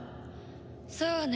そうね。